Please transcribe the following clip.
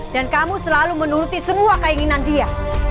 dan kamu selalu menuruti semua keinginan dia